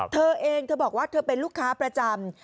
เธอเองเธอบอกว่าเธอเป็นลูกค้าประจำ